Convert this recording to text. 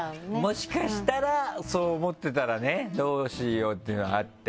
もしかしたらそう思ってたらねどうしようっていうのがあって。